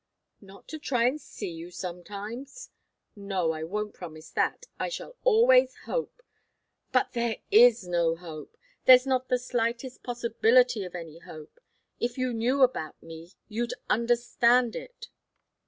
"Not to try and see you sometimes? No, I won't promise that. I shall always hope " "But there is no hope. There's not the slightest possibility of any hope. If you knew about me, you'd understand it."